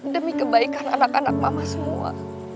demi kebaikan anak anak mama semua